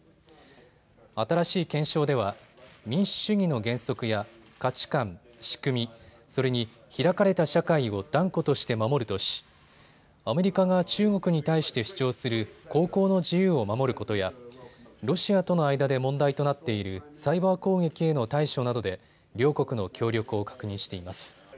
新しい憲章では民主主義の原則や価値観、仕組み、それに開かれた社会を断固として守るとし、アメリカが中国に対して主張する航行の自由を守ることやロシアとの間で問題となっているサイバー攻撃への対処などで両国の協力を確認しています。